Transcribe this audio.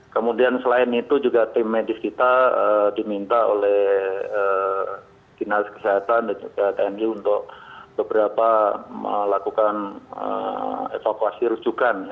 kemudian selain itu juga tim medis kita diminta oleh dinas kesehatan dan juga tni untuk beberapa melakukan evakuasi rujukan